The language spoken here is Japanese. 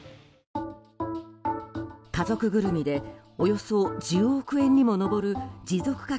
家族ぐるみでおよそ１０億円にも上る持続化